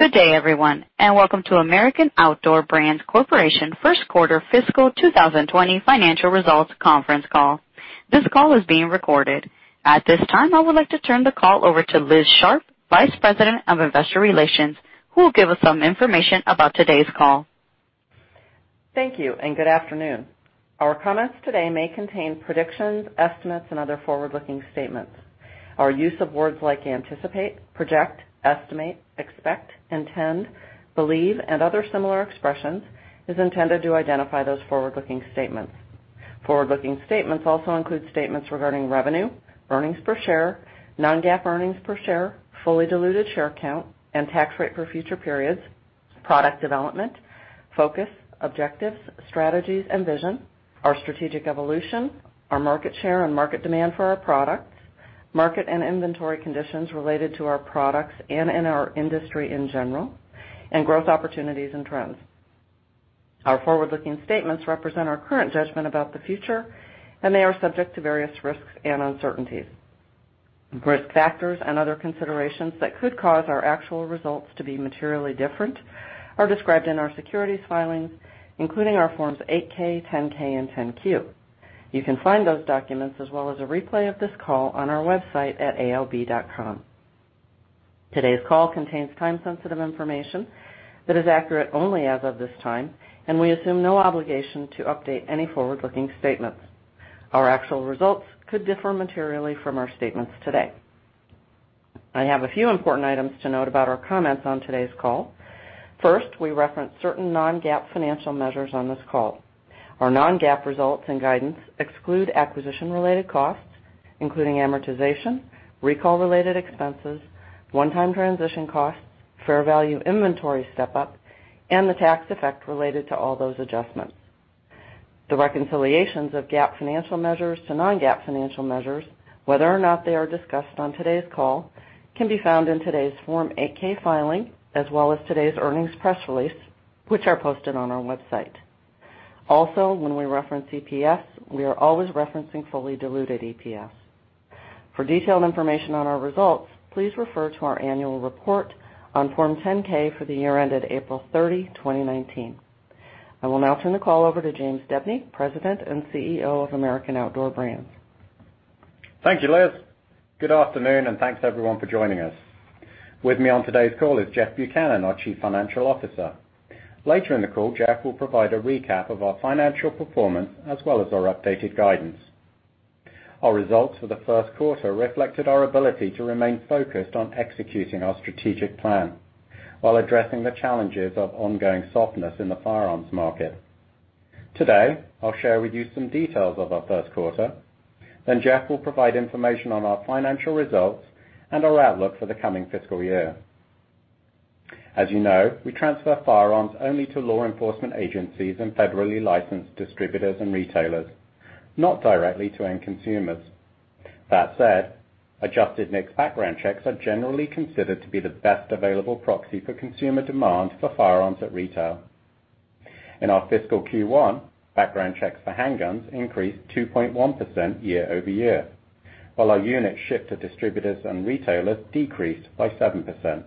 Good day, everyone, and welcome to American Outdoor Brands Corporation first quarter fiscal 2020 financial results conference call. This call is being recorded. At this time, I would like to turn the call over to Liz Sharp, Vice President of Investor Relations, who will give us some information about today's call. Thank you, and good afternoon. Our comments today may contain predictions, estimates, and other forward-looking statements. Our use of words like anticipate, project, estimate, expect, intend, believe, and other similar expressions is intended to identify those forward-looking statements. Forward-looking statements also include statements regarding revenue, earnings per share, non-GAAP earnings per share, fully diluted share count, and tax rate for future periods, product development, focus, objectives, strategies, and vision, our strategic evolution, our market share and market demand for our products, market and inventory conditions related to our products and in our industry in general, and growth opportunities and trends. Our forward-looking statements represent our current judgment about the future, and they are subject to various risks and uncertainties. Risk factors and other considerations that could cause our actual results to be materially different are described in our securities filings, including our Forms 8-K, 10-K, and 10-Q. You can find those documents as well as a replay of this call on our website at aob.com. Today's call contains time-sensitive information that is accurate only as of this time, and we assume no obligation to update any forward-looking statements. Our actual results could differ materially from our statements today. I have a few important items to note about our comments on today's call. First, we reference certain non-GAAP financial measures on this call. Our non-GAAP results and guidance exclude acquisition-related costs, including amortization, recall-related expenses, one-time transition costs, fair value inventory step-up, and the tax effect related to all those adjustments. The reconciliations of GAAP financial measures to non-GAAP financial measures, whether or not they are discussed on today's call, can be found in today's Form 8-K filing as well as today's earnings press release, which are posted on our website. Also, when we reference EPS, we are always referencing fully diluted EPS. For detailed information on our results, please refer to our annual report on Form 10-K for the year ended April 30, 2019. I will now turn the call over to James Debney, President and CEO of American Outdoor Brands. Thank you, Liz. Good afternoon, and thanks to everyone for joining us. With me on today's call is Jeff Buchanan, our Chief Financial Officer. Later in the call, Jeff will provide a recap of our financial performance as well as our updated guidance. Our results for the first quarter reflected our ability to remain focused on executing our strategic plan while addressing the challenges of ongoing softness in the firearms market. Today, I'll share with you some details of our first quarter, then Jeff will provide information on our financial results and our outlook for the coming fiscal year. As you know, we transfer firearms only to law enforcement agencies and federally licensed distributors and retailers, not directly to end consumers. That said, Adjusted NICS Background Checks are generally considered to be the best available proxy for consumer demand for firearms at retail. In our fiscal Q1, background checks for handguns increased 2.1% year over year, while our units shipped to distributors and retailers decreased by 7%.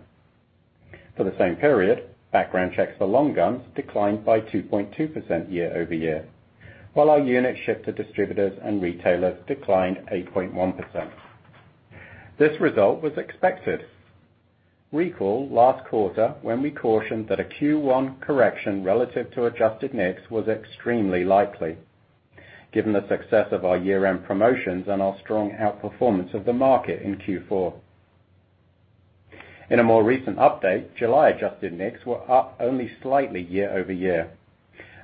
For the same period, background checks for long guns declined by 2.2% year over year, while our units shipped to distributors and retailers declined 8.1%. This result was expected. Recall last quarter when we cautioned that a Q1 correction relative to Adjusted NICS was extremely likely, given the success of our year-end promotions and our strong outperformance of the market in Q4. In a more recent update, July Adjusted NICS were up only slightly year over year.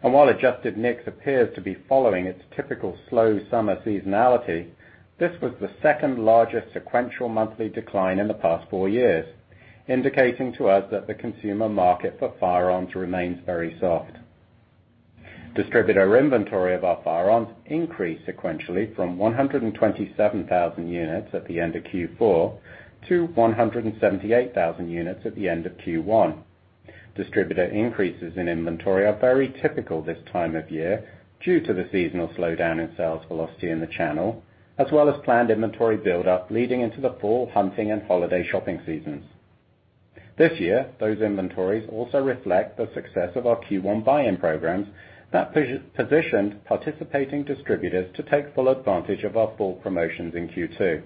And while Adjusted NICS appears to be following its typical slow summer seasonality, this was the second largest sequential monthly decline in the past four years, indicating to us that the consumer market for firearms remains very soft. Distributor inventory of our firearms increased sequentially from 127,000 units at the end of Q4 to 178,000 units at the end of Q1. Distributor increases in inventory are very typical this time of year due to the seasonal slowdown in sales velocity in the channel, as well as planned inventory build-up leading into the fall hunting and holiday shopping seasons. This year, those inventories also reflect the success of our Q1 buy-in programs that positioned participating distributors to take full advantage of our full promotions in Q2.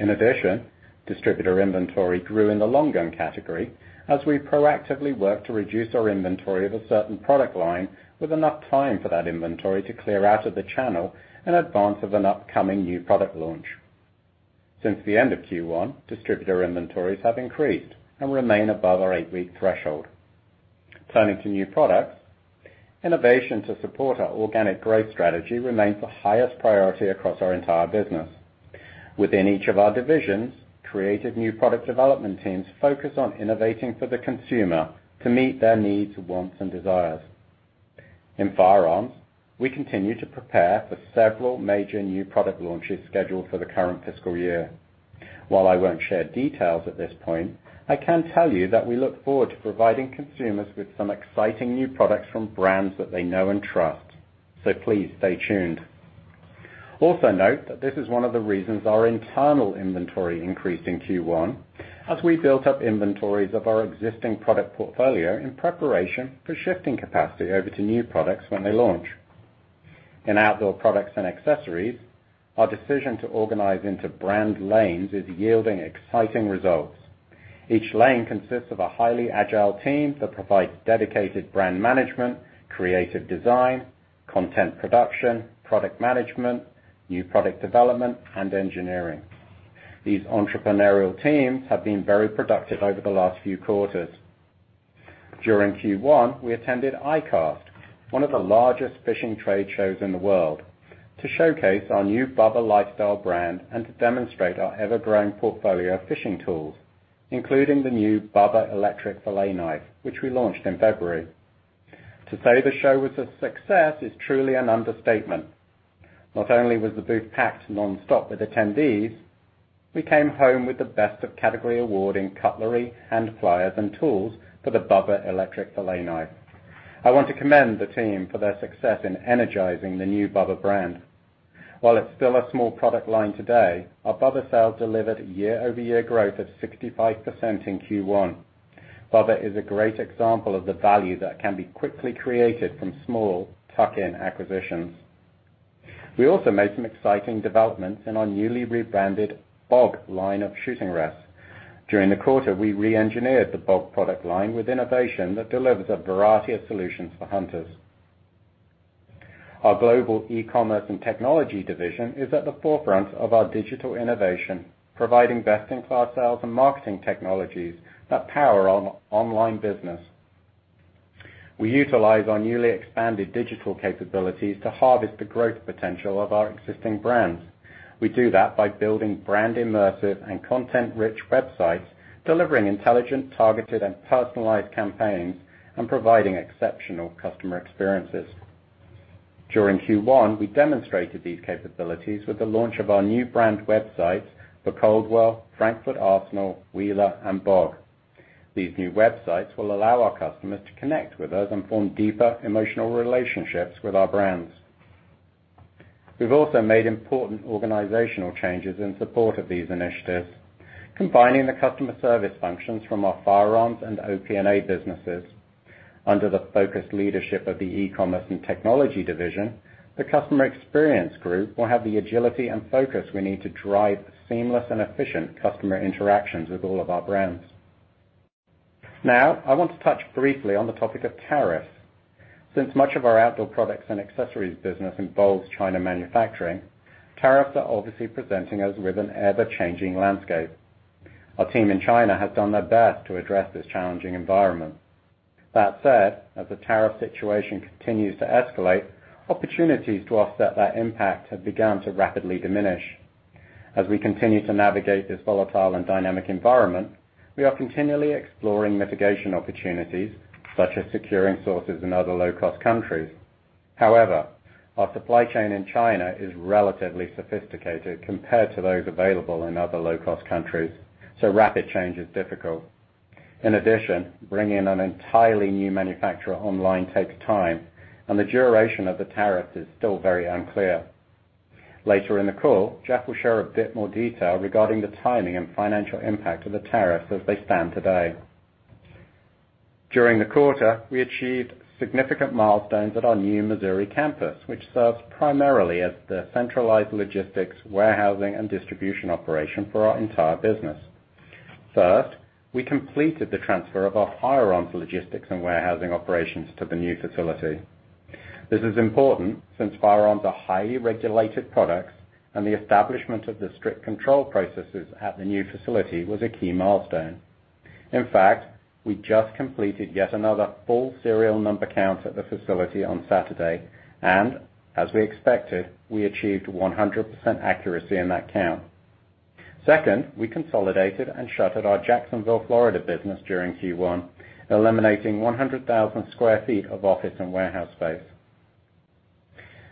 In addition, distributor inventory grew in the long gun category as we proactively worked to reduce our inventory of a certain product line with enough time for that inventory to clear out of the channel in advance of an upcoming new product launch. Since the end of Q1, distributor inventories have increased and remain above our eight-week threshold. Turning to new products, innovation to support our organic growth strategy remains the highest priority across our entire business. Within each of our divisions, creative new product development teams focus on innovating for the consumer to meet their needs, wants, and desires. In firearms, we continue to prepare for several major new product launches scheduled for the current fiscal year. While I won't share details at this point, I can tell you that we look forward to providing consumers with some exciting new products from brands that they know and trust, so please stay tuned. Also note that this is one of the reasons our internal inventory increased in Q1 as we built up inventories of our existing product portfolio in preparation for shifting capacity over to new products when they launch. In outdoor products and accessories, our decision to organize into brand lanes is yielding exciting results. Each lane consists of a highly agile team that provides dedicated brand management, creative design, content production, product management, new product development, and engineering. These entrepreneurial teams have been very productive over the last few quarters. During Q1, we attended ICAST, one of the largest fishing trade shows in the world, to showcase our new Bubba Lifestyle brand and to demonstrate our ever-growing portfolio of fishing tools, including the new Bubba electric fillet knife, which we launched in February. To say the show was a success is truly an understatement. Not only was the booth packed nonstop with attendees, we came home with the best-of-category award in cutlery, hand pliers, and tools for the Bubba electric fillet knife. I want to commend the team for their success in energizing the new Bubba brand. While it's still a small product line today, our Bubba sales delivered year-over-year growth of 65% in Q1. Bubba is a great example of the value that can be quickly created from small, tuck-in acquisitions. We also made some exciting developments in our newly rebranded BOG line of shooting rests. During the quarter, we re-engineered the BOG product line with innovation that delivers a variety of solutions for hunters. Our Global E-commerce and Technology Division is at the forefront of our digital innovation, providing best-in-class sales and marketing technologies that power our online business. We utilize our newly expanded digital capabilities to harvest the growth potential of our existing brands. We do that by building brand-immersive and content-rich websites, delivering intelligent, targeted, and personalized campaigns, and providing exceptional customer experiences. During Q1, we demonstrated these capabilities with the launch of our new brand websites for Caldwell, Frankford Arsenal, Wheeler, and BOG. These new websites will allow our customers to connect with us and form deeper emotional relationships with our brands. We've also made important organizational changes in support of these initiatives, combining the customer service functions from our Firearms and OP&A businesses. Under the focused leadership of the E-commerce and Technology Division, the customer experience group will have the agility and focus we need to drive seamless and efficient customer interactions with all of our brands. Now, I want to touch briefly on the topic of tariffs. Since much of our outdoor products and accessories business involves China manufacturing, tariffs are obviously presenting us with an ever-changing landscape. Our team in China has done their best to address this challenging environment. That said, as the tariff situation continues to escalate, opportunities to offset that impact have begun to rapidly diminish. As we continue to navigate this volatile and dynamic environment, we are continually exploring mitigation opportunities such as securing sources in other low-cost countries. However, our supply chain in China is relatively sophisticated compared to those available in other low-cost countries, so rapid change is difficult. In addition, bringing in an entirely new manufacturer online takes time, and the duration of the tariffs is still very unclear. Later in the call, Jeff will share a bit more detail regarding the timing and financial impact of the tariffs as they stand today. During the quarter, we achieved significant milestones at our new Missouri campus, which serves primarily as the centralized logistics, warehousing, and distribution operation for our entire business. First, we completed the transfer of our firearms logistics and warehousing operations to the new facility. This is important since firearms are highly regulated products, and the establishment of the strict control processes at the new facility was a key milestone. In fact, we just completed yet another full serial number count at the facility on Saturday, and as we expected, we achieved 100% accuracy in that count. Second, we consolidated and shuttered our Jacksonville, Florida business during Q1, eliminating 100,000 sq ft of office and warehouse space.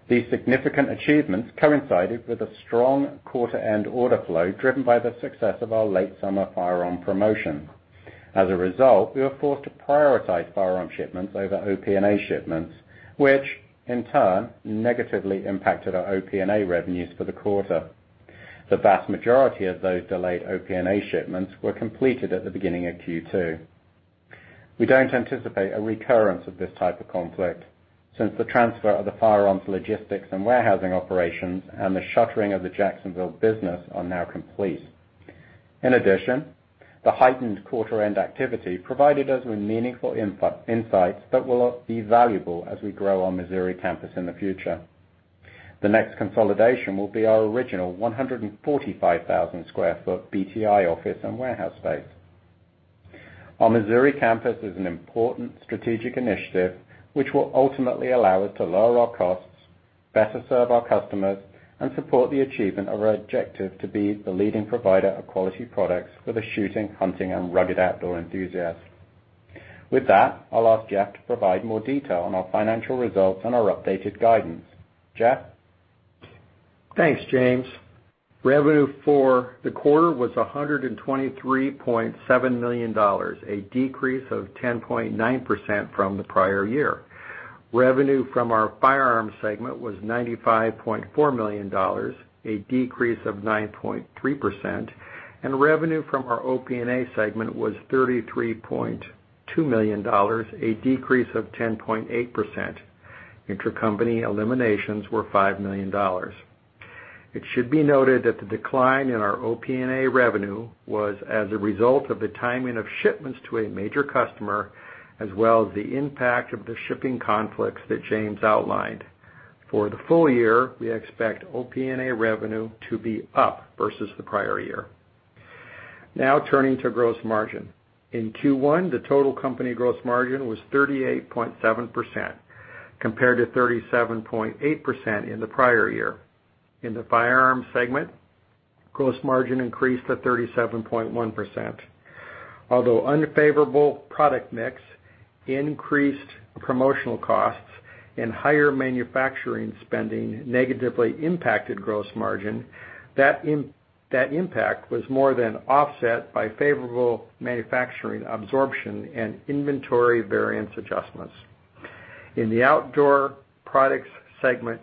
These significant achievements coincided with a strong quarter-end order flow driven by the success of our late-summer firearm promotion. As a result, we were forced to prioritize firearm shipments over OP&A shipments, which in turn negatively impacted our OP&A revenues for the quarter. The vast majority of those delayed OP&A shipments were completed at the beginning of Q2. We don't anticipate a recurrence of this type of conflict since the transfer of the firearms logistics and warehousing operations and the shuttering of the Jacksonville business are now complete. In addition, the heightened quarter-end activity provided us with meaningful insights that will be valuable as we grow our Missouri campus in the future. The next consolidation will be our original 145,000 sq ft BTI office and warehouse space. Our Missouri campus is an important strategic initiative which will ultimately allow us to lower our costs, better serve our customers, and support the achievement of our objective to be the leading provider of quality products for the shooting, hunting, and rugged outdoor enthusiasts. With that, I'll ask Jeff to provide more detail on our financial results and our updated guidance. Jeff? Thanks, James. Revenue for the quarter was $123.7 million, a decrease of 10.9% from the prior year. Revenue from our firearms segment was $95.4 million, a decrease of 9.3%, and revenue from our OP&A segment was $33.2 million, a decrease of 10.8%. Intercompany eliminations were $5 million. It should be noted that the decline in our OP&A revenue was as a result of the timing of shipments to a major customer, as well as the impact of the shipping conflicts that James outlined. For the full year, we expect OP&A revenue to be up versus the prior year. Now turning to gross margin. In Q1, the total company gross margin was 38.7% compared to 37.8% in the prior year. In the firearms segment, gross margin increased to 37.1%. Although unfavorable product mix increased promotional costs and higher manufacturing spending negatively impacted gross margin, that impact was more than offset by favorable manufacturing absorption and inventory variance adjustments. In the outdoor products segment,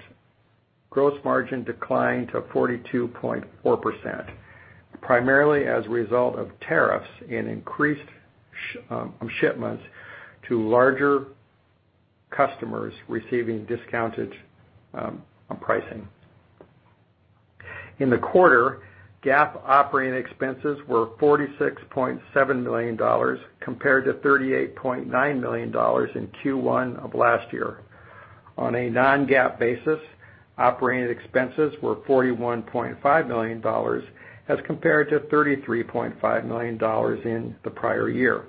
gross margin declined to 42.4%, primarily as a result of tariffs and increased shipments to larger customers receiving discounted pricing. In the quarter, GAAP operating expenses were $46.7 million compared to $38.9 million in Q1 of last year. On a non-GAAP basis, operating expenses were $41.5 million as compared to $33.5 million in the prior year.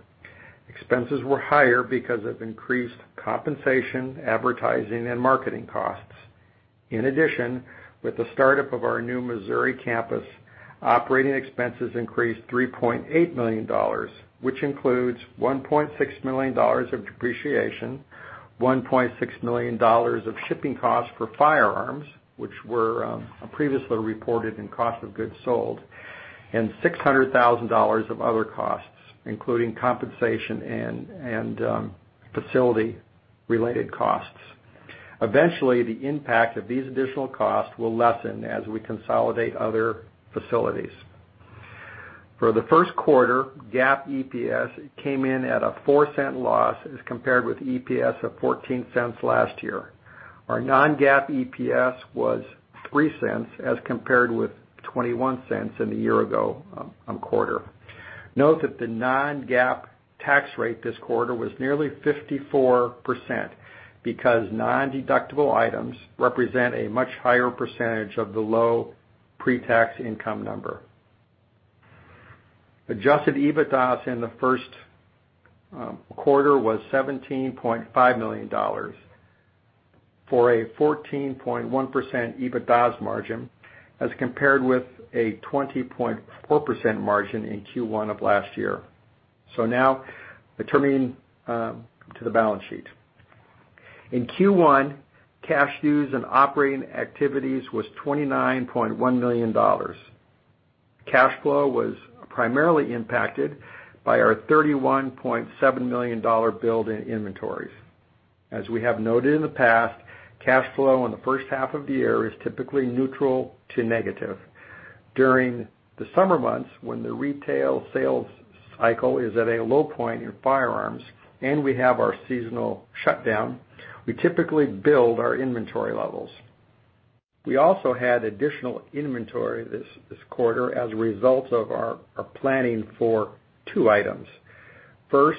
Expenses were higher because of increased compensation, advertising, and marketing costs. In addition, with the startup of our new Missouri campus, operating expenses increased $3.8 million, which includes $1.6 million of depreciation, $1.6 million of shipping costs for firearms, which were previously reported in cost of goods sold, and $600,000 of other costs, including compensation and facility-related costs. Eventually, the impact of these additional costs will lessen as we consolidate other facilities. For the first quarter, GAAP EPS came in at a $0.04 loss as compared with EPS of $0.14 last year. Our non-GAAP EPS was $0.03 as compared with $0.21 in the year ago quarter. Note that the non-GAAP tax rate this quarter was nearly 54% because non-deductible items represent a much higher percentage of the low pre-tax income number. Adjusted EBITDA in the first quarter was $17.5 million for a 14.1% EBITDA margin as compared with a 20.4% margin in Q1 of last year. So now, turning to the balance sheet. In Q1, cash used in operating activities was $29.1 million. Cash flow was primarily impacted by our $31.7 million build in inventories. As we have noted in the past, cash flow in the first half of the year is typically neutral to negative. During the summer months, when the retail sales cycle is at a low point in firearms and we have our seasonal shutdown, we typically build our inventory levels. We also had additional inventory this quarter as a result of our planning for two items. First,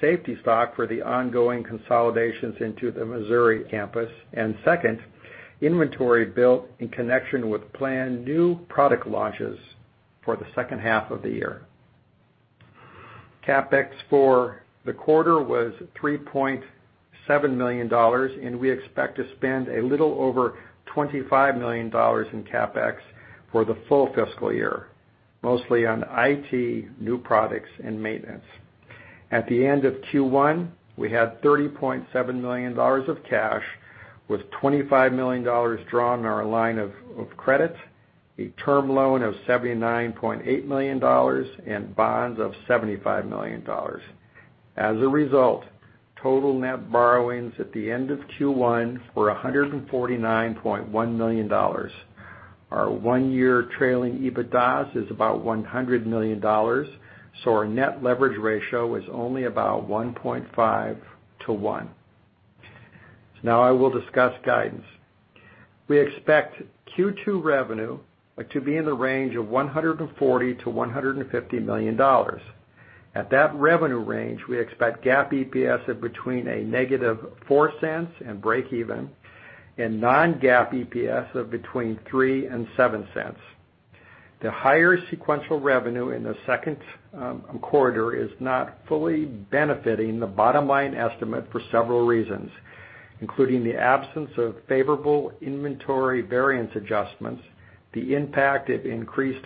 safety stock for the ongoing consolidations into the Missouri campus, and second, inventory built in connection with planned new product launches for the second half of the year. CapEx for the quarter was $3.7 million, and we expect to spend a little over $25 million in CapEx for the full fiscal year, mostly on IT, new products, and maintenance. At the end of Q1, we had $30.7 million of cash, with $25 million drawn in our line of credit, a term loan of $79.8 million, and bonds of $75 million. As a result, total net borrowings at the end of Q1 were $149.1 million. Our one-year trailing EBITDA is about $100 million, so our net leverage ratio is only about 1.5 to 1. Now, I will discuss guidance. We expect Q2 revenue to be in the range of $140-$150 million. At that revenue range, we expect GAAP EPS of between -$0.04 and breakeven, and non-GAAP EPS of between $0.03 and $0.07. The higher sequential revenue in the second quarter is not fully benefiting the bottom-line estimate for several reasons, including the absence of favorable inventory variance adjustments, the impact of increased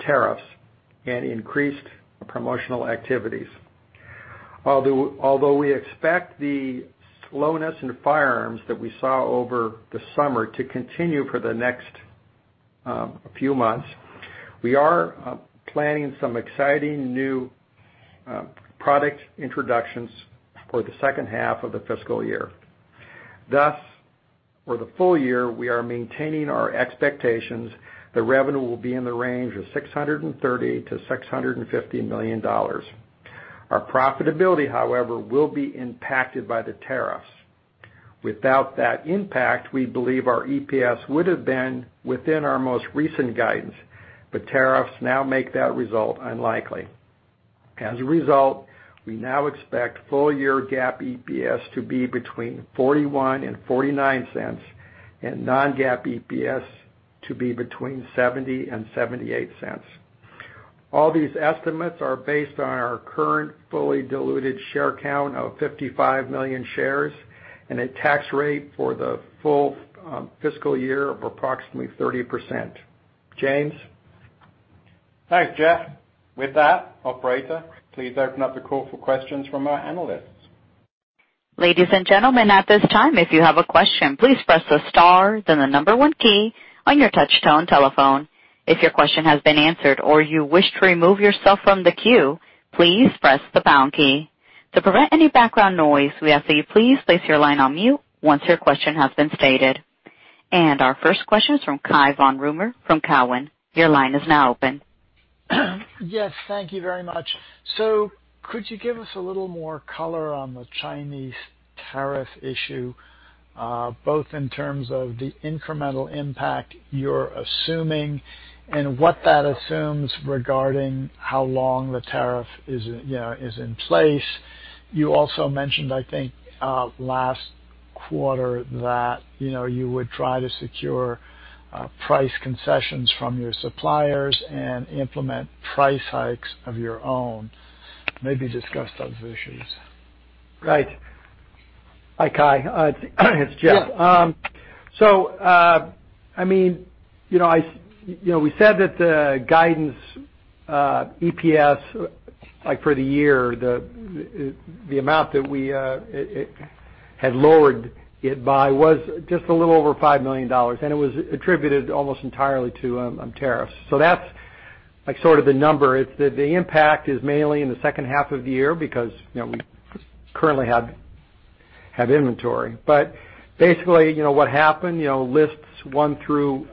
tariffs, and increased promotional activities. Although we expect the slowness in firearms that we saw over the summer to continue for the next few months, we are planning some exciting new product introductions for the second half of the fiscal year. Thus, for the full year, we are maintaining our expectations that revenue will be in the range of $630-$650 million. Our profitability, however, will be impacted by the tariffs. Without that impact, we believe our EPS would have been within our most recent guidance, but tariffs now make that result unlikely. As a result, we now expect full-year GAAP EPS to be between $0.41 and $0.49, and non-GAAP EPS to be between $0.70 and $0.78. All these estimates are based on our current fully diluted share count of 55 million shares and a tax rate for the full fiscal year of approximately 30%. James? Thanks, Jeff. With that, operator, please open up the call for questions from our analysts. Ladies and gentlemen, at this time, if you have a question, please press the star, then the number one key on your touch-tone telephone. If your question has been answered or you wish to remove yourself from the queue, please press the pound key. To prevent any background noise, we ask that you please place your line on mute once your question has been stated. And our first question is from Cai von Rumohr from Cowen. Your line is now open. Yes, thank you very much. So could you give us a little more color on the Chinese tariff issue, both in terms of the incremental impact you're assuming and what that assumes regarding how long the tariff is in place? You also mentioned, I think, last quarter that you would try to secure price concessions from your suppliers and implement price hikes of your own. Maybe discuss those issues. Right. Hi, Cai. It's Jeff. Yes. I mean, we said that the guidance EPS for the year, the amount that we had lowered it by was just a little over $5 million, and it was attributed almost entirely to tariffs. That's sort of the number. The impact is mainly in the second half of the year because we currently have inventory. But basically, what happened, Lists 1 through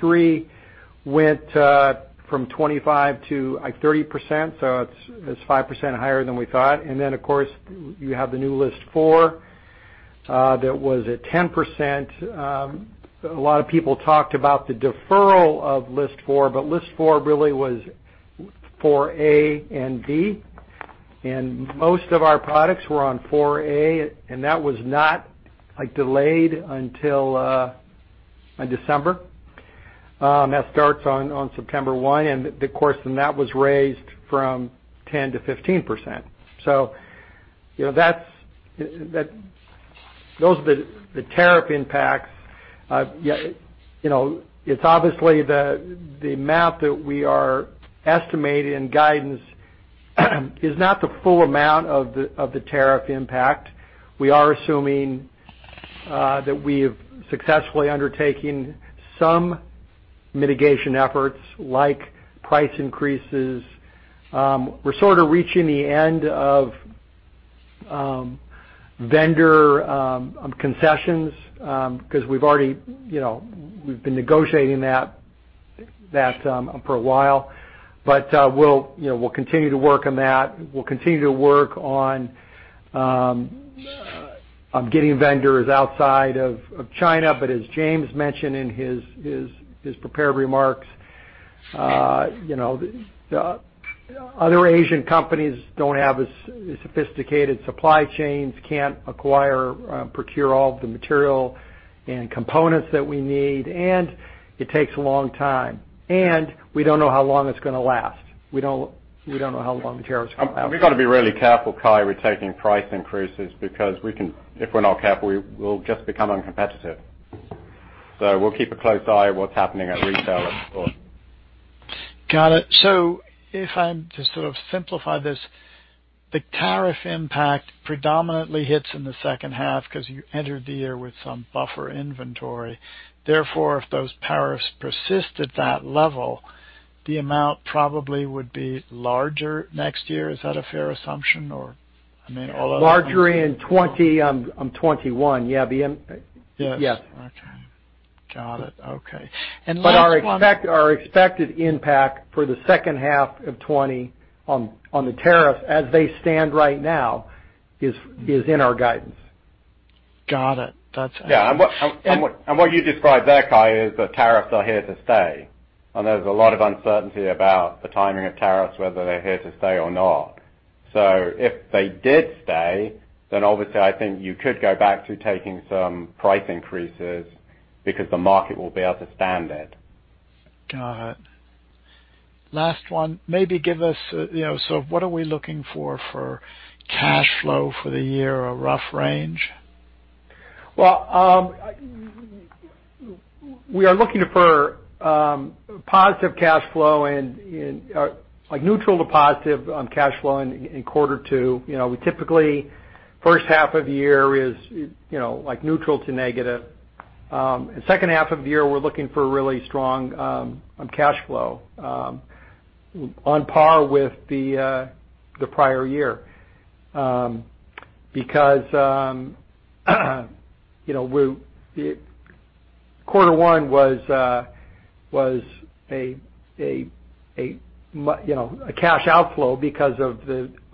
3, went from 25%-30%, so it's 5% higher than we thought. And then, of course, you have the new List 4 that was at 10%. A lot of people talked about the deferral of List 4, but List 4 really was 4A and B. And most of our products were on 4A, and that was not delayed until December. That starts on September 1, and of course, then that was raised from 10%-15%. Those are the tariff impacts. It's obviously the amount that we are estimating in guidance is not the full amount of the tariff impact. We are assuming that we have successfully undertaken some mitigation efforts like price increases. We're sort of reaching the end of vendor concessions because we've been negotiating that for a while. But we'll continue to work on that. We'll continue to work on getting vendors outside of China. But as James mentioned in his prepared remarks, other Asian companies don't have as sophisticated supply chains, can't acquire, procure all of the material and components that we need, and it takes a long time. And we don't know how long it's going to last. We don't know how long the tariffs are going to last. We've got to be really careful, Cai, with taking price increases because if we're not careful, we'll just become uncompetitive. So we'll keep a close eye on what's happening at retail at the quarter. Got it. So if I'm to sort of simplify this, the tariff impact predominantly hits in the second half because you entered the year with some buffer inventory. Therefore, if those tariffs persist at that level, the amount probably would be larger next year. Is that a fair assumption? Or, I mean, all other than that? Larger in 2020 on 2021. Yeah. Yes. Yes. Okay. Got it. Okay. And last one. But our expected impact for the second half of 2020 on the tariffs as they stand right now is in our guidance. Got it. That's excellent. Yeah. And what you described, that, Cai, is the tariffs are here to stay. And there's a lot of uncertainty about the timing of tariffs, whether they're here to stay or not. So if they did stay, then obviously, I think you could go back to taking some price increases because the market will be able to stand it. Got it. Last one. Maybe give us sort of what are we looking for for cash flow for the year, a rough range? We are looking for positive cash flow and neutral to positive cash flow in quarter two. We typically, first half of the year, is neutral to negative. Second half of the year, we're looking for really strong cash flow on par with the prior year because quarter one was a cash outflow because of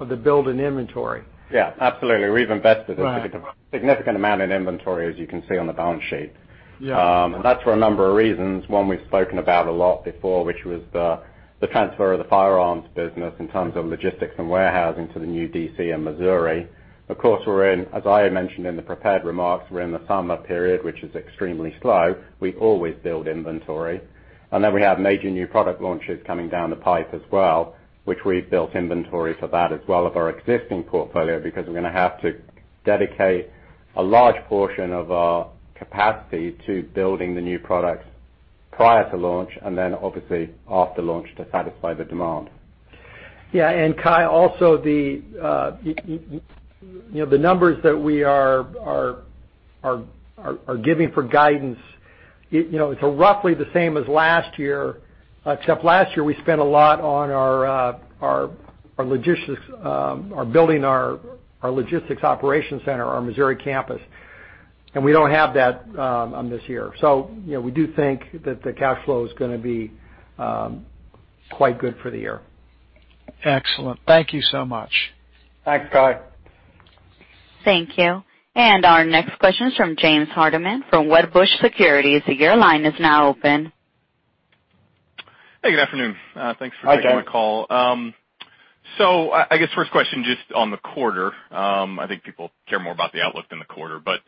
the build in inventory. Yeah. Absolutely. We've invested a significant amount in inventory, as you can see on the balance sheet. And that's for a number of reasons. One, we've spoken about a lot before, which was the transfer of the firearms business in terms of logistics and warehousing to the New DC and Missouri. Of course, as I mentioned in the prepared remarks, we're in the summer period, which is extremely slow. We always build inventory. And then we have major new product launches coming down the pipe as well, which we've built inventory for that as well of our existing portfolio because we're going to have to dedicate a large portion of our capacity to building the new products prior to launch and then, obviously, after launch to satisfy the demand. Yeah. And Cai, also the numbers that we are giving for guidance, it's roughly the same as last year, except last year we spent a lot on building our logistics operations center, our Missouri campus. And we don't have that this year. So we do think that the cash flow is going to be quite good for the year. Excellent. Thank you so much. Thanks, Cai. Thank you. And our next question is from James Hardeman from Wedbush Securities. The line is now open. Hey, good afternoon. Thanks for taking the call. So I guess first question just on the quarter. I think people care more about the outlook than the quarter. But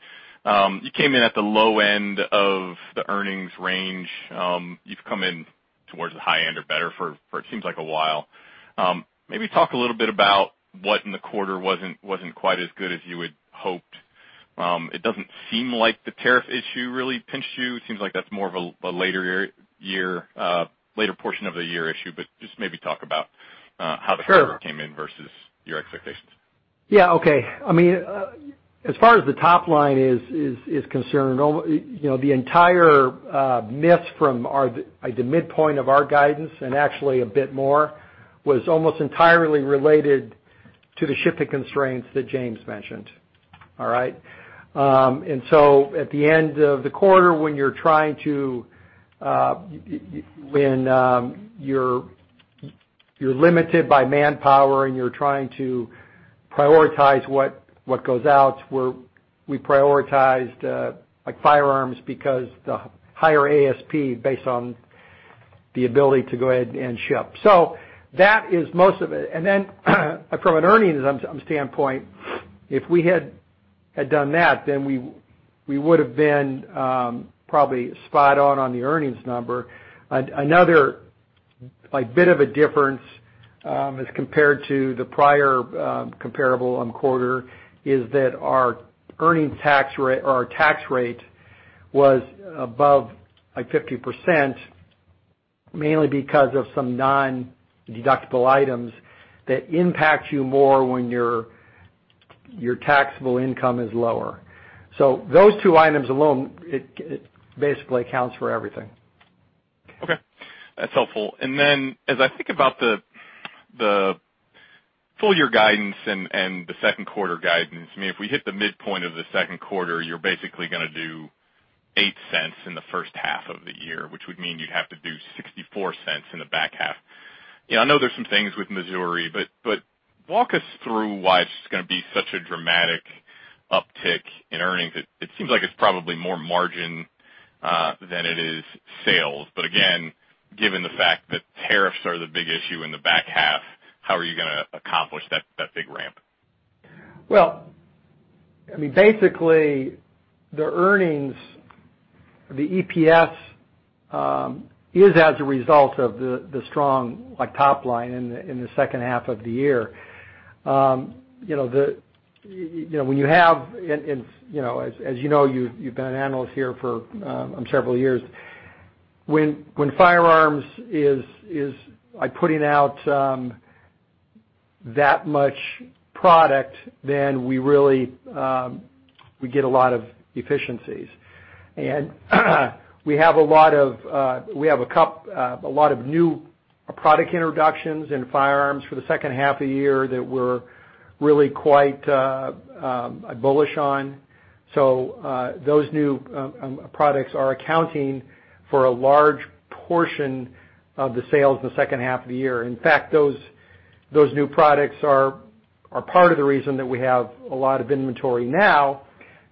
you came in at the low end of the earnings range. You've come in towards the high end or better for, it seems like, a while. Maybe talk a little bit about what in the quarter wasn't quite as good as you had hoped. It doesn't seem like the tariff issue really pinched you. It seems like that's more of a later portion of the year issue. But just maybe talk about how the quarter came in versus your expectations. Yeah. Okay. I mean, as far as the top line is concerned, the entire miss from the midpoint of our guidance and actually a bit more was almost entirely related to the shipping constraints that James mentioned. All right? And so at the end of the quarter, when you're limited by manpower and you're trying to prioritize what goes out, we prioritized firearms because the higher ASP based on the ability to go ahead and ship. So that is most of it. And then from an earnings standpoint, if we had done that, then we would have been probably spot on on the earnings number. Another bit of a difference as compared to the prior comparable quarter is that our earnings tax rate was above 50%, mainly because of some non-deductible items that impact you more when your taxable income is lower. So those two items alone, it basically accounts for everything. Okay. That's helpful. And then as I think about the full-year guidance and the second quarter guidance, I mean, if we hit the midpoint of the second quarter, you're basically going to do $0.08 in the first half of the year, which would mean you'd have to do $0.64 in the back half. I know there's some things with Missouri, but walk us through why it's going to be such a dramatic uptick in earnings. It seems like it's probably more margin than it is sales. But again, given the fact that tariffs are the big issue in the back half, how are you going to accomplish that big ramp? I mean, basically, the earnings, the EPS is as a result of the strong top line in the second half of the year. When you have, and as you know, you've been an analyst here for several years, when firearms is putting out that much product, then we get a lot of efficiencies. And we have a lot of new product introductions in firearms for the second half of the year that we're really quite bullish on. So those new products are accounting for a large portion of the sales in the second half of the year. In fact, those new products are part of the reason that we have a lot of inventory now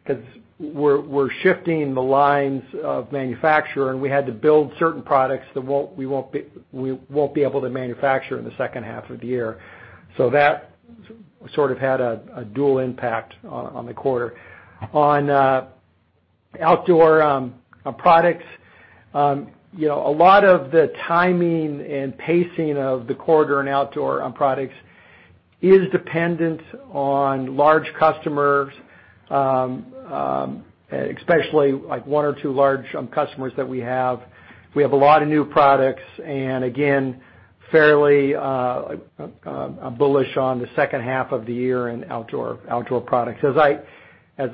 because we're shifting the lines of manufacture, and we had to build certain products that we won't be able to manufacture in the second half of the year. So that sort of had a dual impact on the quarter. On outdoor products, a lot of the timing and pacing of the quarter and outdoor products is dependent on large customers, especially one or two large customers that we have. We have a lot of new products and, again, fairly bullish on the second half of the year in outdoor products. As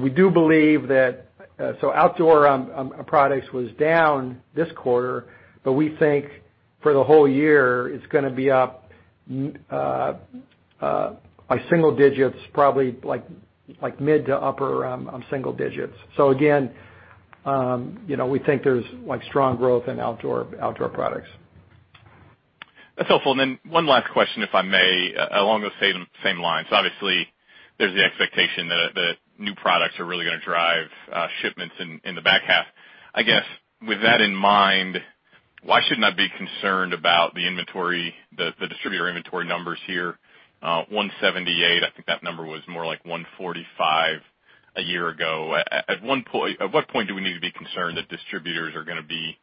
we do believe that—so outdoor products was down this quarter, but we think for the whole year, it's going to be up by single digits, probably mid to upper single digits. So again, we think there's strong growth in outdoor products. That's helpful. And then one last question, if I may, along those same lines. Obviously, there's the expectation that new products are really going to drive shipments in the back half. I guess with that in mind, why shouldn't I be concerned about the distributor inventory numbers here? 178, I think that number was more like 145 a year ago. At what point do we need to be concerned that distributors are going to be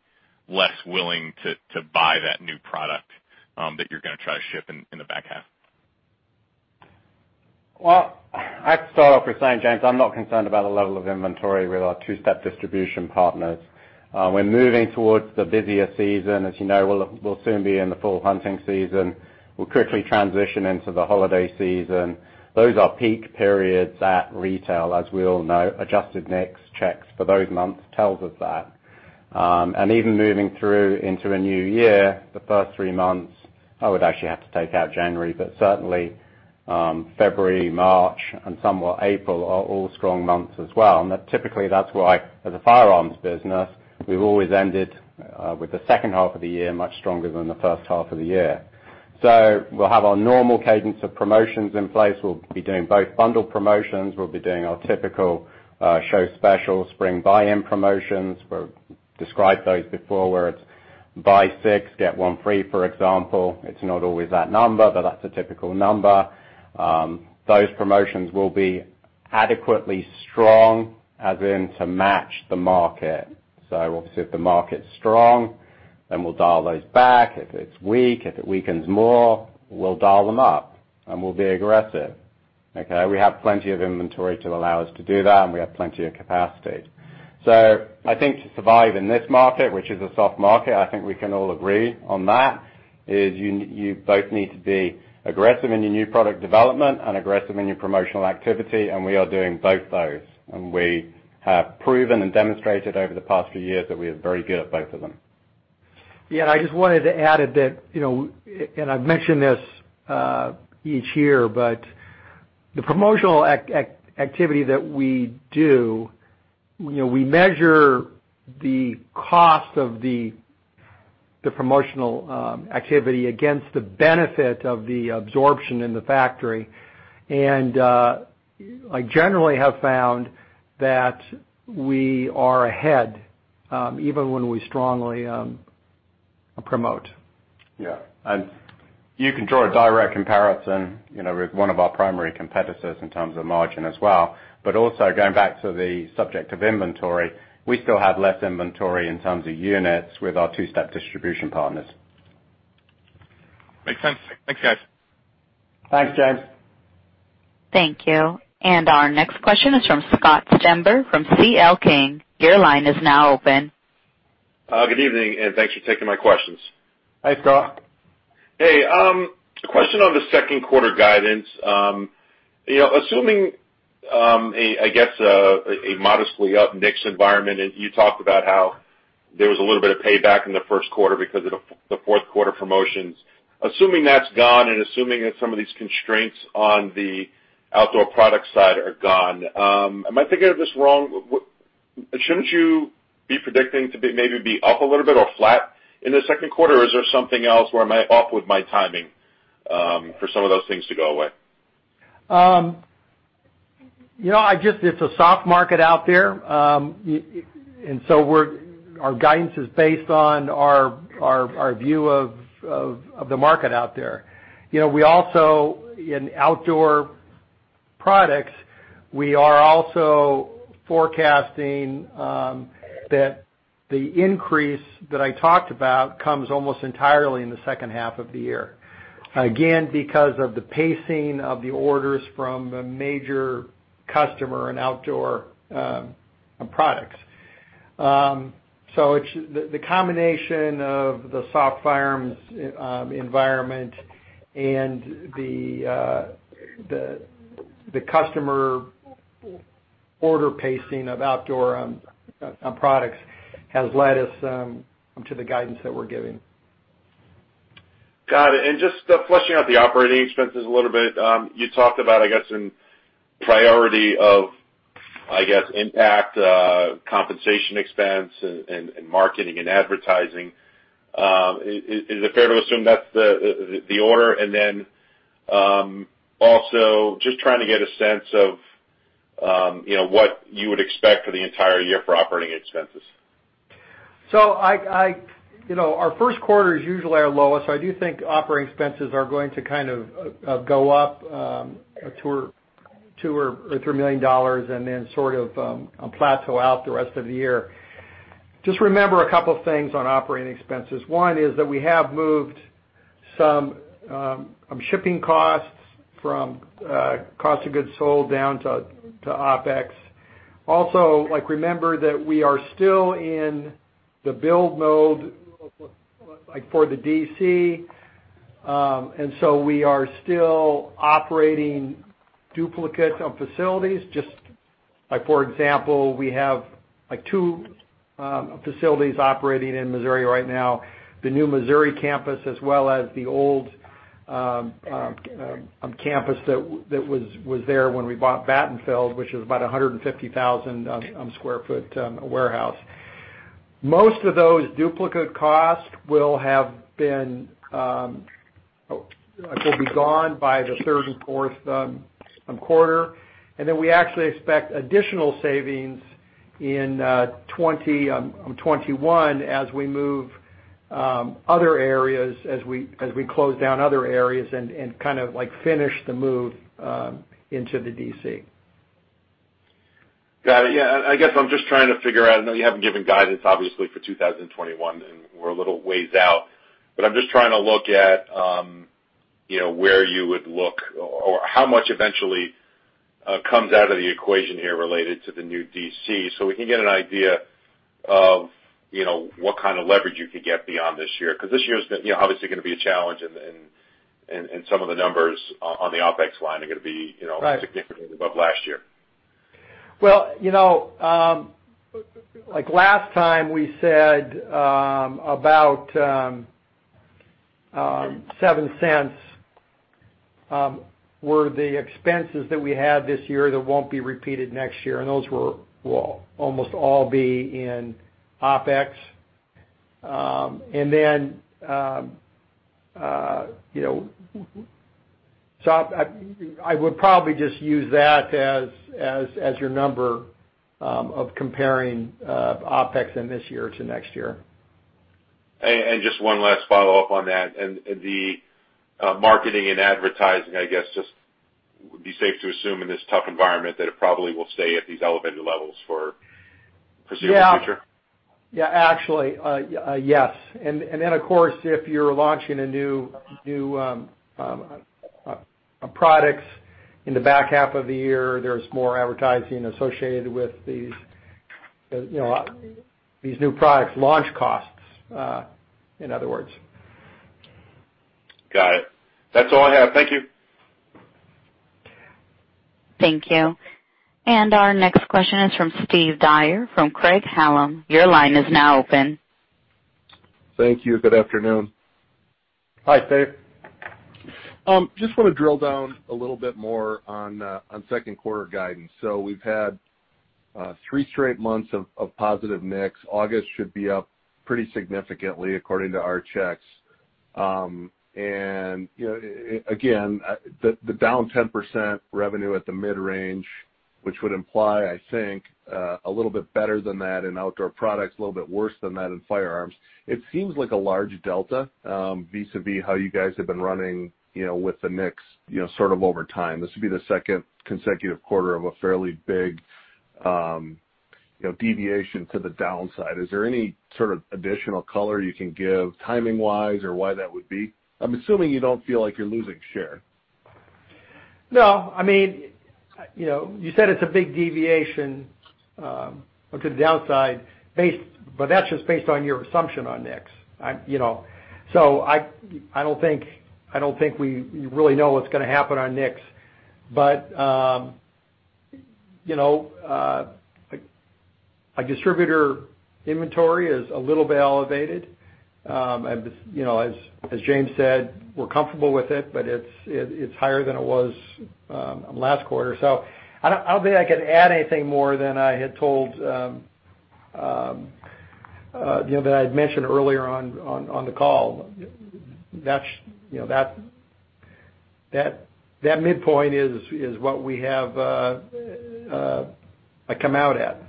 less willing to buy that new product that you're going to try to ship in the back half? I'd start off with saying, James, I'm not concerned about the level of inventory with our two-step distribution partners. We're moving towards the busier season. As you know, we'll soon be in the full hunting season. We'll quickly transition into the holiday season. Those are peak periods at retail, as we all know. Adjusted NICS checks for those months tells us that. And even moving through into a new year, the first three months, I would actually have to take out January, but certainly February, March, and somewhat April are all strong months as well. And typically, that's why, as a firearms business, we've always ended with the second half of the year much stronger than the first half of the year. So we'll have our normal cadence of promotions in place. We'll be doing both bundle promotions. We'll be doing our typical show special, spring buy-in promotions. We've described those before where it's buy-six-get-one-free, for example. It's not always that number, but that's a typical number. Those promotions will be adequately strong as in to match the market. So obviously, if the market's strong, then we'll dial those back. If it's weak, if it weakens more, we'll dial them up and we'll be aggressive. Okay? We have plenty of inventory to allow us to do that, and we have plenty of capacity. So I think to survive in this market, which is a soft market, I think we can all agree on that, is you both need to be aggressive in your new product development and aggressive in your promotional activity, and we are doing both those, and we have proven and demonstrated over the past few years that we are very good at both of them. Yeah. And I just wanted to add a bit, and I've mentioned this each year, but the promotional activity that we do, we measure the cost of the promotional activity against the benefit of the absorption in the factory. And I generally have found that we are ahead even when we strongly promote. Yeah. And you can draw a direct comparison with one of our primary competitors in terms of margin as well. But also, going back to the subject of inventory, we still have less inventory in terms of units with our two-step distribution partners. Makes sense. Thanks, guys. Thanks, James. Thank you. And our next question is from Scott Stember from CL King. Your line is now open. Good evening, and thanks for taking my questions. Hey, Scott. Hey. A question on the second quarter guidance. Assuming, I guess, a modestly up NICS environment, and you talked about how there was a little bit of payback in the first quarter because of the fourth quarter promotions. Assuming that's gone and assuming that some of these constraints on the outdoor product side are gone, am I thinking of this wrong? Shouldn't you be predicting to maybe be up a little bit or flat in the second quarter? Or is there something else where I'm off with my timing for some of those things to go away? It's a soft market out there. And so our guidance is based on our view of the market out there. In outdoor products, we are also forecasting that the increase that I talked about comes almost entirely in the second half of the year, again, because of the pacing of the orders from a major customer in outdoor products. So the combination of the soft firearms environment and the customer order pacing of outdoor products has led us to the guidance that we're giving. Got it. And just fleshing out the operating expenses a little bit, you talked about, I guess, in priority of, I guess, impact, compensation expense, and marketing and advertising. Is it fair to assume that's the order? And then also just trying to get a sense of what you would expect for the entire year for operating expenses. Our first quarter is usually our lowest, so I do think operating expenses are going to kind of go up to $3 million and then sort of plateau out the rest of the year. Just remember a couple of things on operating expenses. One is that we have moved some shipping costs from cost of goods sold down to OpEx. Also, remember that we are still in the build mode for the DC. We are still operating duplicate facilities. Just for example, we have two facilities operating in Missouri right now, the new Missouri campus as well as the old campus that was there when we bought Battenfeld, which is about 150,000 sq ft warehouse. Most of those duplicate costs will be gone by the third and fourth quarter. We actually expect additional savings in 2020, 2021, as we move other areas, as we close down other areas and kind of finish the move into the DC. Got it. Yeah. I guess I'm just trying to figure out I know you haven't given guidance, obviously, for 2021, and we're a little ways out. But I'm just trying to look at where you would look or how much eventually comes out of the equation here related to the new DC so we can get an idea of what kind of leverage you could get beyond this year. Because this year's obviously going to be a challenge, and some of the numbers on the OpEx line are going to be significantly above last year. Last time we said about $0.07 were the expenses that we had this year that won't be repeated next year. Those will almost all be in OpEx. I would probably just use that as your number of comparing OpEx in this year to next year. Just one last follow-up on that. The marketing and advertising, I guess, just would be safe to assume in this tough environment that it probably will stay at these elevated levels for the future? Yeah. Yeah. Actually, yes. And then, of course, if you're launching new products in the back half of the year, there's more advertising associated with these new product launch costs, in other words. Got it. That's all I have. Thank you. Thank you. And our next question is from Steve Dyer from Craig-Hallum. Your line is now open. Thank you. Good afternoon. Hi, Steve. Just want to drill down a little bit more on second quarter guidance. So we've had three straight months of positive NICS. August should be up pretty significantly according to our checks. And again, the down 10% revenue at the mid range, which would imply, I think, a little bit better than that in outdoor products, a little bit worse than that in firearms. It seems like a large delta vis-à-vis how you guys have been running with the NICS sort of over time. This would be the second consecutive quarter of a fairly big deviation to the downside. Is there any sort of additional color you can give timing-wise or why that would be? I'm assuming you don't feel like you're losing share. No. I mean, you said it's a big deviation to the downside, but that's just based on your assumption on NICS. So I don't think we really know what's going to happen on NICS. But our distributor inventory is a little bit elevated. As James said, we're comfortable with it, but it's higher than it was last quarter. So I don't think I can add anything more than I had mentioned earlier on the call. That midpoint is what we have come out at.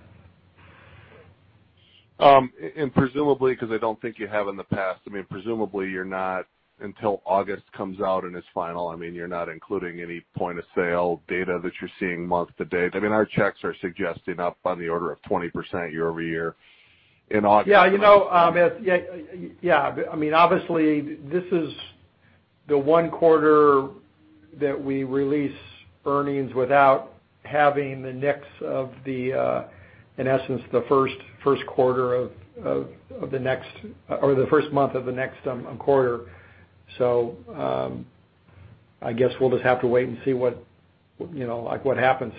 Presumably, because I don't think you have in the past, I mean, presumably you're not until August comes out and it's final. I mean, you're not including any point of sale data that you're seeing month to date. I mean, our checks are suggesting up on the order of 20% year over year in August. Yeah. Yeah. I mean, obviously, this is the one quarter that we release earnings without having the NICS of the, in essence, the first quarter of the next or the first month of the next quarter. So I guess we'll just have to wait and see what happens.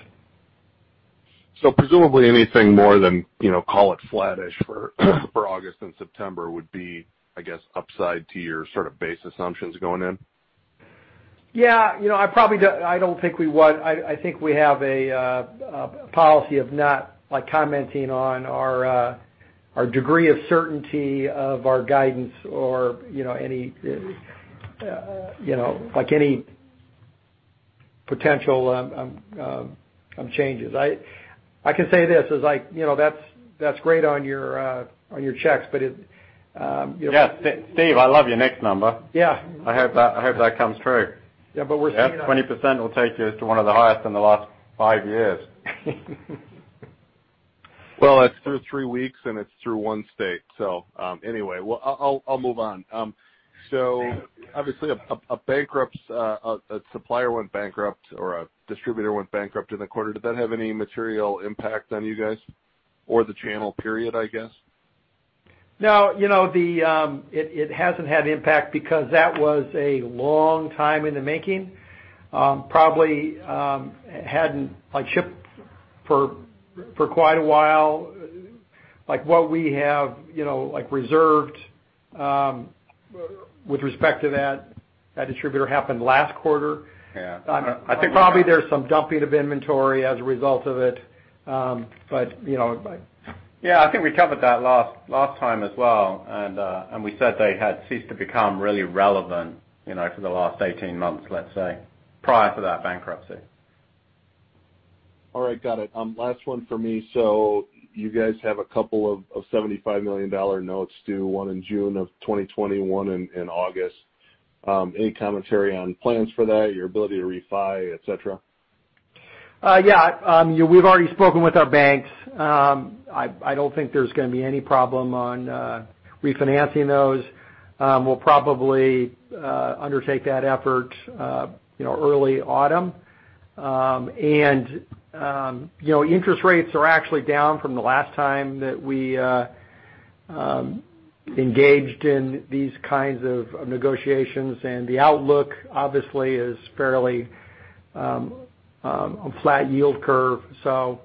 So presumably anything more than call it flattish for August and September would be, I guess, upside to your sort of base assumptions going in? Yeah. I don't think we would. I think we have a policy of not commenting on our degree of certainty of our guidance or any potential changes. I can say this is like, "That's great on your checks, but. Yeah. Steve, I love your next number. I hope that comes true. Yeah, but we're seeing that. 20% will take you to one of the highest in the last five years. It's through three weeks, and it's through one state. Anyway, I'll move on. Obviously, a supplier went bankrupt or a distributor went bankrupt in the quarter. Did that have any material impact on you guys or the channel period, I guess? No. It hasn't had impact because that was a long time in the making. Probably hadn't shipped for quite a while. What we have reserved with respect to that distributor happened last quarter. I think probably there's some dumping of inventory as a result of it, but. Yeah. I think we covered that last time as well, and we said they had ceased to become really relevant for the last 18 months, let's say, prior to that bankruptcy. All right. Got it. Last one for me. So you guys have a couple of $75 million notes due, one in June of 2021 and in August. Any commentary on plans for that, your ability to refi, etc.? Yeah. We've already spoken with our banks. I don't think there's going to be any problem on refinancing those. We'll probably undertake that effort early autumn. And interest rates are actually down from the last time that we engaged in these kinds of negotiations. And the outlook, obviously, is fairly on a flat yield curve. So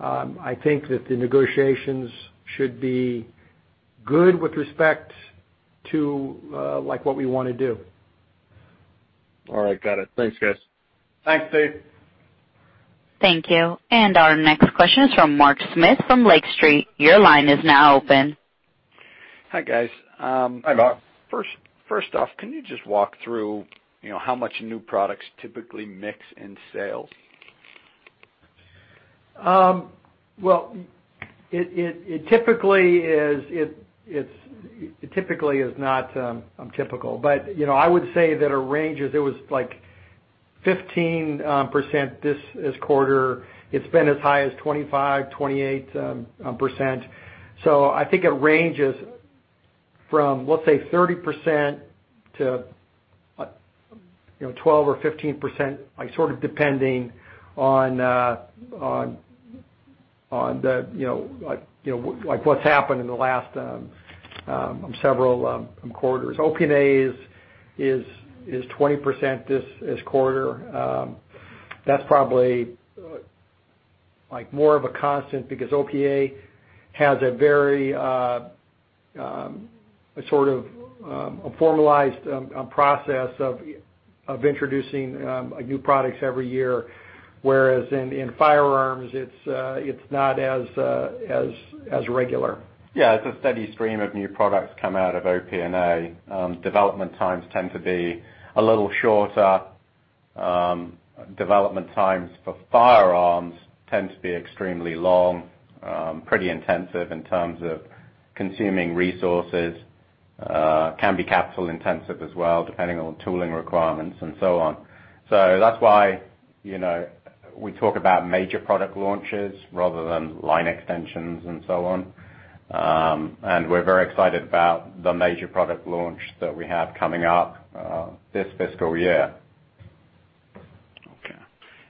I think that the negotiations should be good with respect to what we want to do. All right. Got it. Thanks, guys. Thanks, Steve. Thank you. And our next question is from Mark Smith from Lake Street. Your line is now open. Hi, guys. Hi, Mark. First off, can you just walk through how much new products typically mix in sales? Well, it typically is not typical, but I would say that it ranges. It was like 15% this quarter. It's been as high as 25%-28%. So I think it ranges from, let's say, 30% to 12%-15%, sort of depending on what's happened in the last several quarters. OP&A is 20% this quarter. That's probably more of a constant because OP&A has a very sort of formalized process of introducing new products every year, whereas in firearms, it's not as regular. Yeah. It's a steady stream of new products comes out of OP&A. Development times tend to be a little shorter. Development times for firearms tend to be extremely long, pretty intensive in terms of consuming resources, can be capital intensive as well, depending on tooling requirements and so on. So that's why we talk about major product launches rather than line extensions and so on. And we're very excited about the major product launch that we have coming up this fiscal year. Okay.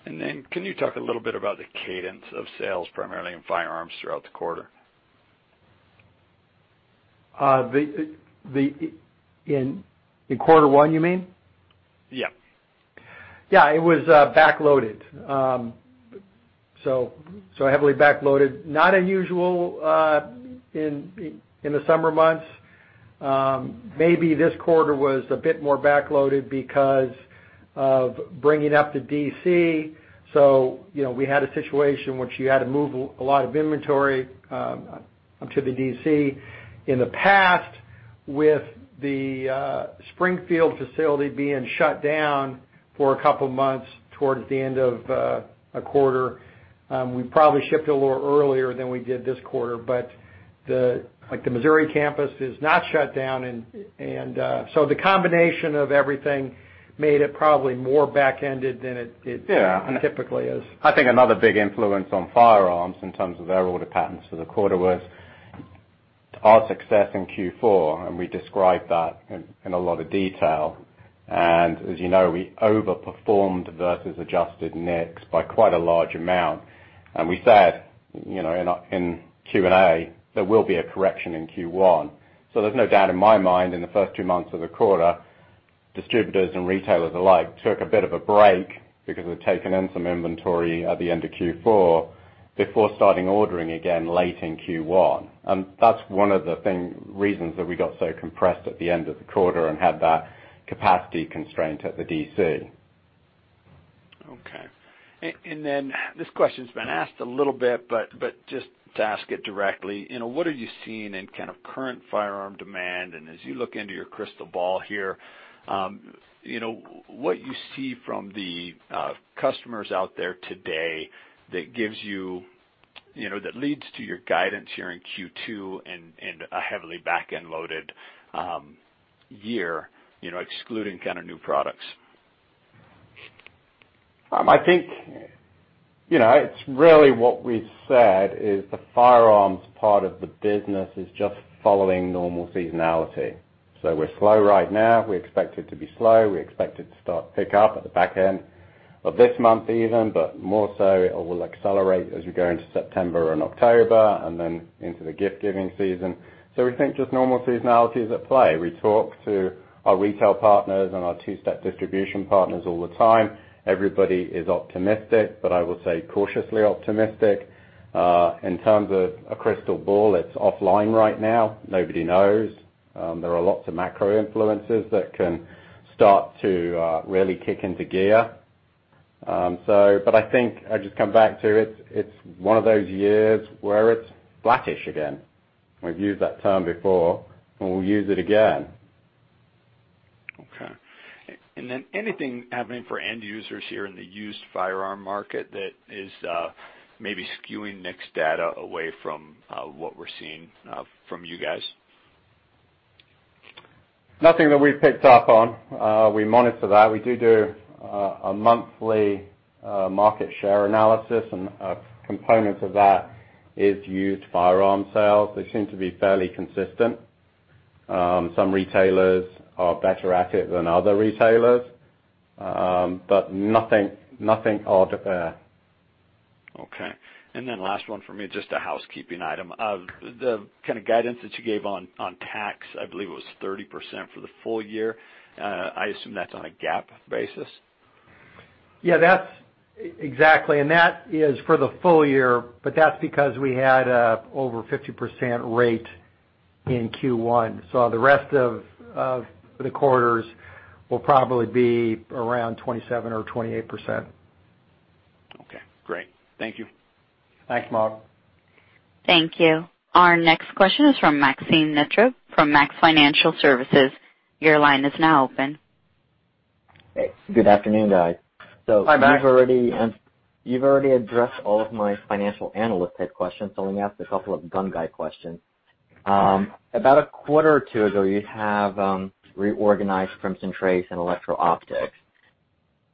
And then can you talk a little bit about the cadence of sales primarily in firearms throughout the quarter? In quarter one, you mean? Yeah. Yeah. It was backloaded, so heavily backloaded. Not unusual in the summer months. Maybe this quarter was a bit more backloaded because of bringing up the DC. So we had a situation in which you had to move a lot of inventory up to the DC. In the past, with the Springfield facility being shut down for a couple of months towards the end of a quarter, we probably shipped a little earlier than we did this quarter. But the Missouri campus is not shut down. And so the combination of everything made it probably more back-ended than it typically is. I think another big influence on firearms in terms of their order patterns for the quarter was our success in Q4. And we described that in a lot of detail. And as you know, we overperformed versus adjusted NICS by quite a large amount. And we said in Q&A there will be a correction in Q1. So there's no doubt in my mind in the first two months of the quarter, distributors and retailers alike took a bit of a break because they've taken in some inventory at the end of Q4 before starting ordering again late in Q1. And that's one of the reasons that we got so compressed at the end of the quarter and had that capacity constraint at the DC. Okay. And then this question's been asked a little bit, but just to ask it directly, what are you seeing in kind of current firearm demand? And as you look into your crystal ball here, what you see from the customers out there today that gives you that leads to your guidance here in Q2 and a heavily back-end loaded year, excluding kind of new products? I think it's really what we said is the firearms part of the business is just following normal seasonality. So we're slow right now. We expect it to be slow. We expect it to start pick up at the back end of this month even, but more so it will accelerate as we go into September and October and then into the gift-giving season. So we think just normal seasonality is at play. We talk to our retail partners and our two-step distribution partners all the time. Everybody is optimistic, but I will say cautiously optimistic. In terms of a crystal ball, it's offline right now. Nobody knows. There are lots of macro influences that can start to really kick into gear. But I think I just come back to it's one of those years where it's flattish again. We've used that term before, and we'll use it again. Okay. And then anything happening for end users here in the used firearm market that is maybe skewing NICS data away from what we're seeing from you guys? Nothing that we've picked up on. We monitor that. We do do a monthly market share analysis, and a component of that is used firearm sales. They seem to be fairly consistent. Some retailers are better at it than other retailers, but nothing odd there. Okay. And then last one for me, just a housekeeping item. The kind of guidance that you gave on tax, I believe it was 30% for the full year. I assume that's on a GAAP basis. Yeah. Exactly. And that is for the full year, but that's because we had an over 50% rate in Q1. So the rest of the quarters will probably be around 27% or 28%. Okay. Great. Thank you. Thanks, Mark. Thank you. Our next question is from Maxine Nitro from Max Financial Services. Your line is now open. Good afternoon, guys. Hi, Mark. So you've already addressed all of my financial analyst-type questions. I only asked a couple of gun guy questions. About a quarter or two ago, you have reorganized Crimson Trace and Electro-Optics.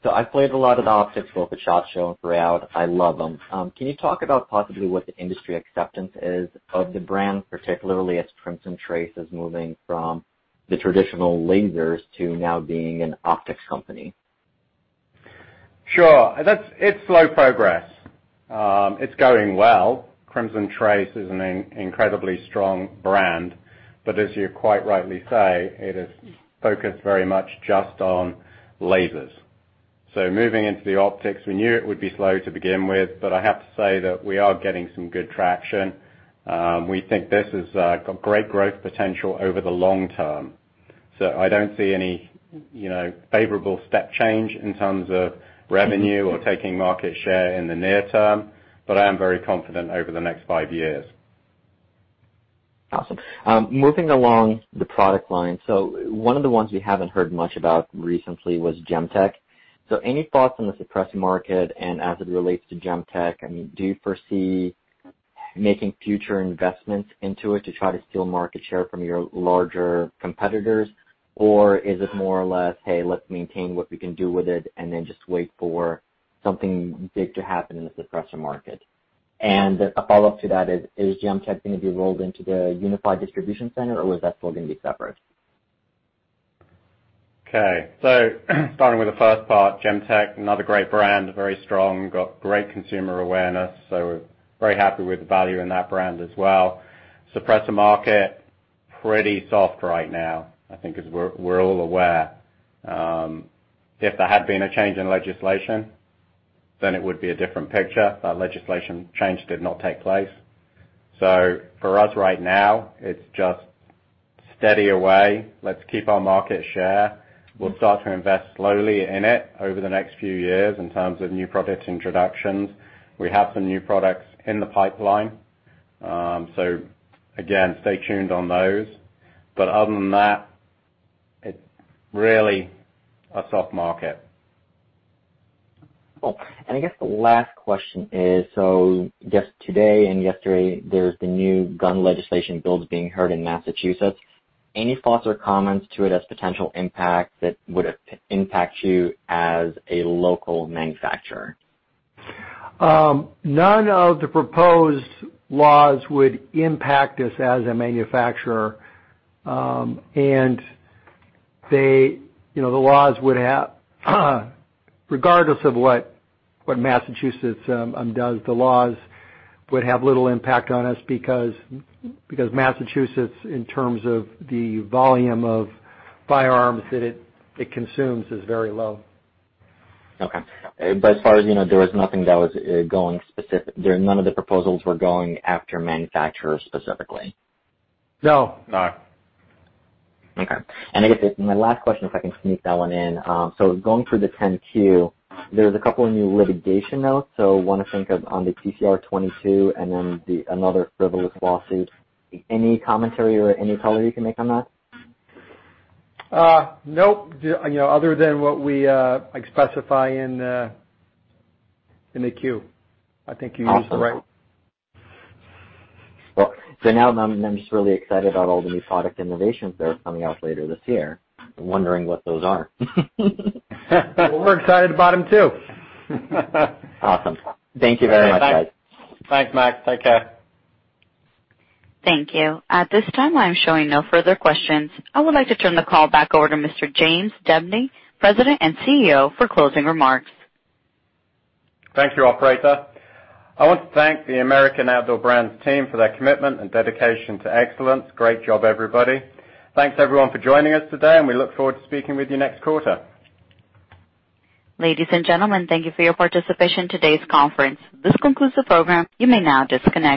So I've played a lot of the Optics World at SHOT Show and I freaked out. I love them. Can you talk about possibly what the industry acceptance is of the brand, particularly as Crimson Trace is moving from the traditional lasers to now being an optics company? Sure. It's slow progress. It's going well. Crimson Trace is an incredibly strong brand. But as you quite rightly say, it is focused very much just on lasers. So moving into the optics, we knew it would be slow to begin with, but I have to say that we are getting some good traction. We think this has got great growth potential over the long term. So I don't see any favorable step change in terms of revenue or taking market share in the near term, but I am very confident over the next five years. Awesome. Moving along the product line. So one of the ones we haven't heard much about recently was Gemtech. So any thoughts on the suppressor market and as it relates to Gemtech? I mean, do you foresee making future investments into it to try to steal market share from your larger competitors, or is it more or less, "Hey, let's maintain what we can do with it and then just wait for something big to happen in the suppressor market"? And a follow-up to that is, is Gemtech going to be rolled into the unified distribution center, or is that still going to be separate? Okay. So starting with the first part, Gemtech, another great brand, very strong, got great consumer awareness. So we're very happy with the value in that brand as well. Suppressor market, pretty soft right now, I think, as we're all aware. If there had been a change in legislation, then it would be a different picture. That legislation change did not take place. So for us right now, it's just steady away. Let's keep our market share. We'll start to invest slowly in it over the next few years in terms of new product introductions. We have some new products in the pipeline. So again, stay tuned on those. But other than that, it's really a soft market. Cool. And I guess the last question is, so I guess today and yesterday, there's the new gun legislation bills being heard in Massachusetts. Any thoughts or comments to it as potential impact that would impact you as a local manufacturer? None of the proposed laws would impact us as a manufacturer. And the laws would have, regardless of what Massachusetts does, the laws would have little impact on us because Massachusetts, in terms of the volume of firearms that it consumes, is very low. Okay. But as far as there was nothing that was going specific, none of the proposals were going after manufacturers specifically? No. No. Okay. And I guess my last question, if I can sneak that one in. So going through the 10-Q, there's a couple of new litigation notes. So one I think of on the T/CR22 and then another frivolous lawsuit. Any commentary or any color you can make on that? Nope. Other than what we specify in the Q. I think you used the right. So now I'm just really excited about all the new product innovations that are coming out later this year. I'm wondering what those are. We're excited about them too. Awesome. Thank you very much, guys. Thanks, Max. Take care. Thank you. At this time, I'm showing no further questions. I would like to turn the call back over to Mr. James Debney, President and CEO, for closing remarks. Thank you operator. I want to thank the American Outdoor Brands team for their commitment and dedication to excellence. Great job, everybody. Thanks, everyone, for joining us today, and we look forward to speaking with you next quarter. Ladies and gentlemen, thank you for your participation in today's conference. This concludes the program. You may now disconnect.